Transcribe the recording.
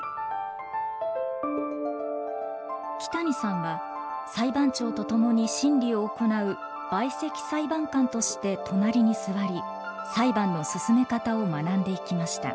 木谷さんは裁判長とともに審理を行う陪席裁判官として隣に座り裁判の進め方を学んでいきました。